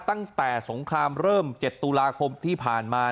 ตั้งแต่สงครามเริ่ม๗ตุลาคมที่ผ่านมา